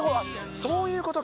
そういうことか。